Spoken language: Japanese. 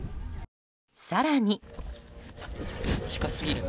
更に。